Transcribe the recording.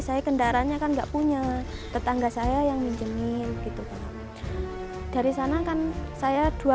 saya kendaraannya kan enggak punya tetangga saya yang minjemin gitu dari sana kan saya dua